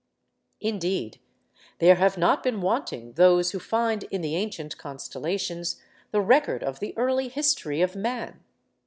Indeed, there have not been wanting those who find in the ancient constellations the record of the early history of man.